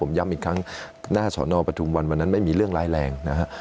ย้ำอีกครั้งหน้าสอนอปทุมวันวันนั้นไม่มีเรื่องร้ายแรงนะฮะ